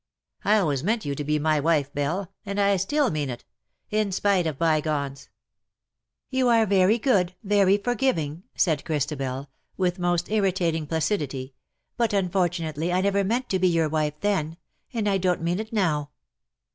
I always meant you to be my wife. Belle, and I still mean it — in spite of bygones/^ '^You are very good — very forgiving," said Christabel, with most irritating placidity, ^' but unfortunately I never meant to be your wife then — and I don't mean it now.''